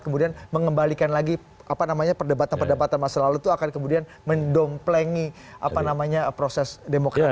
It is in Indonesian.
kemudian mengembalikan lagi apa namanya perdebatan perdebatan masa lalu itu akan kemudian mendomplengi apa namanya proses demokrasi